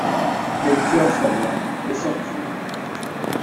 Melchior salua et sortit.